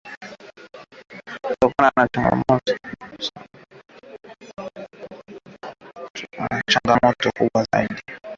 Kuna changamoto nyingi katika mfumo huo